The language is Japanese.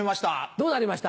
どうなりました？